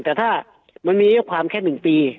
แต่ถ้ามันมีอายุความแค่๑ปี